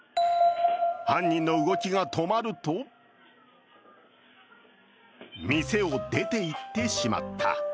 犯人の動きが止まると店を出ていってしまった。